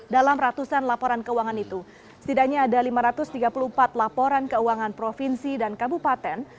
dalam ratusan laporan keuangan itu setidaknya ada lima ratus tiga puluh empat laporan keuangan provinsi dan kabupaten